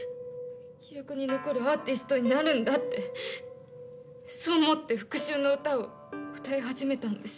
記憶に残るアーティストになるんだってそう思って復讐の歌を歌い始めたんです。